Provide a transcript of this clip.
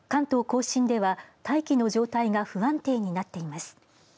甲信では、大気の状態が不安定になっています。